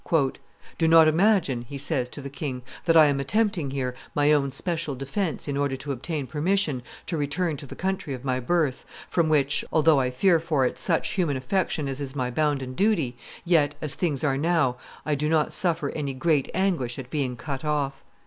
"Do not imagine," he says to the king, "that I am attempting here my own special defence in order to obtain permission to return to the country of my birth, from which, although I feel for it such human affection as is my bounden duty, yet, as things are now, I do not suffer any great anguish at being cut off.